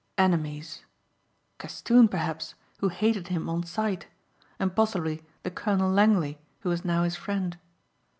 Enemies! Castoon perhaps, who hated him on sight, and possibly the Colonel Langley who was now his friend.